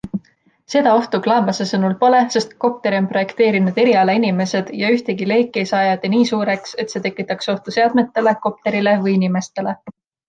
Seda ohtu Klaamase sõnul pole, sest kopteri on projekteerinud erialainimesed ja ühtegi leeki ei saa ajada nii suureks, et see tekitaks ohtu seadmetele, kopterile või inimestele.